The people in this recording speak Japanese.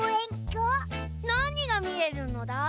なにがみえるのだ？